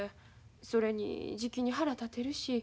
それにじきに腹立てるし。